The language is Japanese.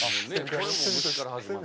これも虫から始まる。